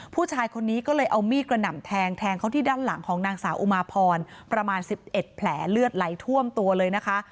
ผู้ชายคนนี้ก็เลยเอามีดกระหน่ำแทงแทงเขาที่ด้านหลังของนางสาวอุมาพรประมาณ๑๑แผลเลือดไหลท่วมตัวเลยนะคะ